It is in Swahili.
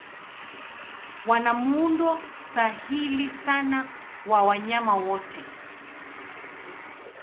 Wana muundo sahili sana wa wanyama wote.